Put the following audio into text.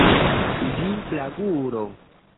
Vi, blagulo!